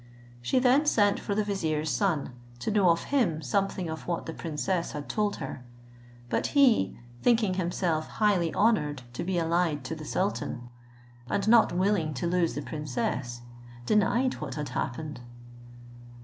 She then sent for the vizier's son, to know of him something of what the princess had told her; but he, thinking himself highly honoured to be allied to the sultan, and not willing to lose the princess, denied what had happened.